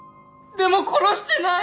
でも殺してない！